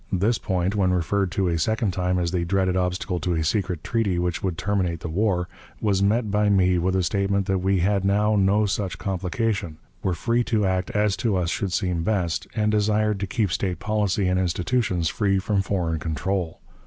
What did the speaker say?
This point, when referred to a second time as the dreaded obstacle to a secret treaty which would terminate the war, was met by me with a statement that we had now no such complication, were free to act as to us should seem best, and desired to keep state policy and institutions free from foreign control.